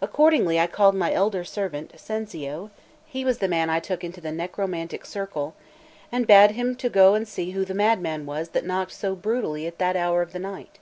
Accordingly I called my elder servant, Cencio (he was the man I took into the necromantic circle), and bade him to go and see who the madman was that knocked so brutally at that hour of the night.